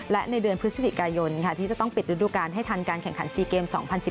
และในเดือนพฤศจิกายนที่จะต้องปิดฤดูการให้ทันการแข่งขัน๔เกม๒๐๑๘